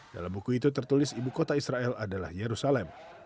dalam buku itu tertulis ibu kota israel adalah yerusalem